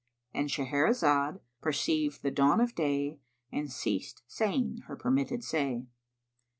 "—And Shahrazad perceived the dawn of day and ceased saying her permitted say.